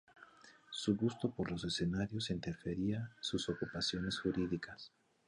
Su gusto por los escenarios interfería sus ocupaciones jurídicas.